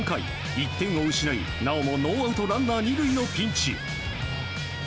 １点を失いなおもノーアウトランナー２塁のピンチ。